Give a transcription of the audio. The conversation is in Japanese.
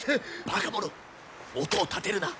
バカ者音を立てるな。